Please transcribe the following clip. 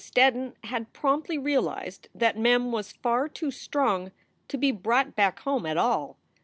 Steddon had promptly realized that Mem was far too strong to be brought back home at all.